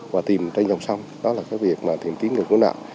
và tìm trên dòng sông đó là việc tìm kiếm được nạn